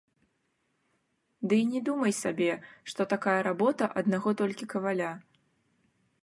Ды і не думай сабе, што такая работа аднаго толькі каваля.